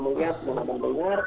mohon allah mau dengar